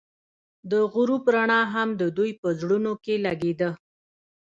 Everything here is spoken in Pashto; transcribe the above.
د غروب رڼا هم د دوی په زړونو کې ځلېده.